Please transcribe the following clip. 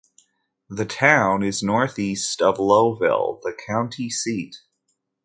The town is northeast of Lowville, the county seat.